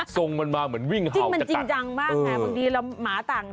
ทรงมันมาเหมือนวิ่งเฮาจะตั่ง